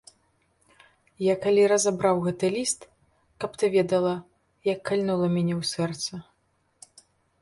Я калі разабраў гэты ліст, каб ты ведала, як кальнула мяне ў сэрца.